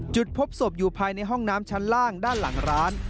จุดพบศพอยู่ภายในห้องน้ำชั้นล่างด้านหลังร้าน